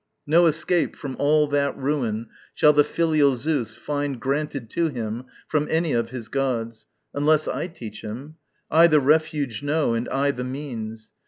No escape From all that ruin shall the filial Zeus Find granted to him from any of his gods, Unless I teach him. I the refuge know, And I, the means.